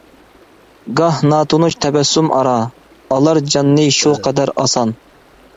گاھ ناتونۇش تەبەسسۇم ئارا، ئالار جاننى شۇ قەدەر ئاسان.